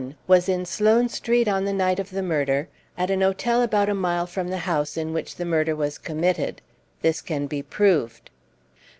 Was in Sloane Street on the night of the murder, at an hotel about a mile from the house in which the murder was committed. This can be proved.